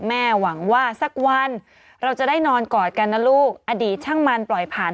หวังว่าสักวันเราจะได้นอนกอดกันนะลูกอดีตช่างมันปล่อยผ่าน